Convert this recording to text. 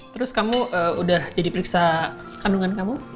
terus kamu udah jadi periksa kandungan kamu